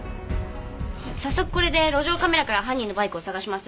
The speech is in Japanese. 早速これで路上カメラから犯人のバイクを捜します。